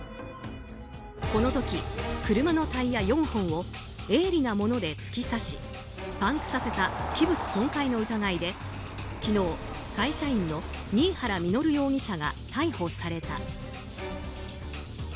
この時、車のタイヤ４本を鋭利なもので突き刺しパンクさせた器物損壊の疑いで昨日、会社員の新原稔容疑者が逮捕された。